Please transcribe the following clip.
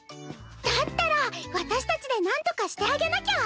だったら私たちでなんとかしてあげなきゃ。